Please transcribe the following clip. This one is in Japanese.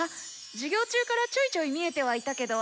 授業中からちょいちょい見えてはいたけど。